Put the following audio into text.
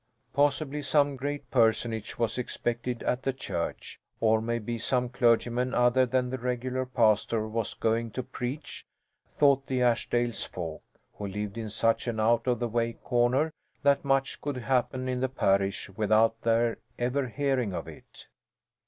Possibly some great personage was expected at the church, or maybe some clergyman other than the regular pastor was going to preach, thought the Ashdales folk, who lived in such an out of the way corner that much could happen in the parish without their ever hearing of it.